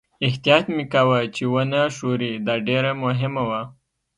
احتیاط مې کاوه چې و نه ښوري، دا ډېره مهمه وه.